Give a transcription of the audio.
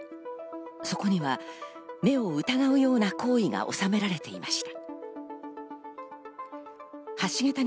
そこには目を疑うような行為が収められていました。